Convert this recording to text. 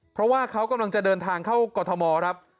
เพราะว่าเขากำลังจะเดินทางเข้ากรทมครับ